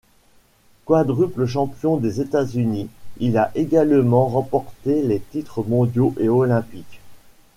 Quadruple champion des États-Unis, il a également remporté les titres mondiaux et olympiques.